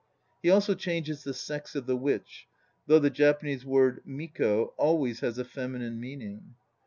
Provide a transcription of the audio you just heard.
He also changes the sex of the Witch, though the Japanese word, miko, always has a feminine mean ing.